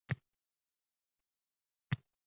oʼtib yoʼl bosilar senga yetguncha.